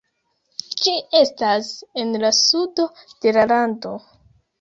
Ĝi estas en la sudo de la lando.